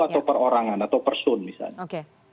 atau perorangan atau person misalnya